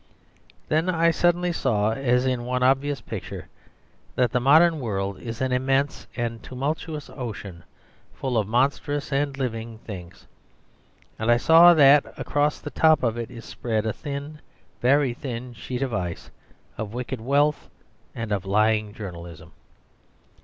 Then I suddenly saw, as in one obvious picture, that the modern world is an immense and tumultuous ocean, full of monstrous and living things. And I saw that across the top of it is spread a thin, a very thin, sheet of ice, of wicked wealth and of lying journalism.